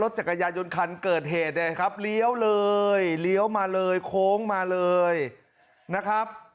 จักรยานยนคันเกิดเหตุเนี่ยครับเลี้ยวเลยเลี้ยวมาเลยโค้งมาเลยนะครับ